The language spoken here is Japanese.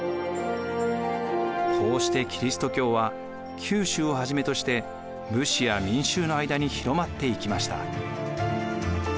こうしてキリスト教は九州をはじめとして武士や民衆の間に広まっていきました。